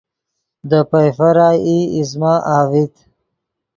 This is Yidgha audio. دے پئیفر ای ایزمہ اڤیت